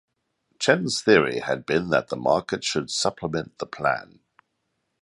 Chen's theory had been that the market should supplement the plan.